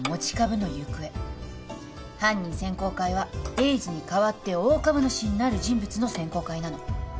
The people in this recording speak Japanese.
犯人選考会は栄治に代わって大株主になる人物の選考会なの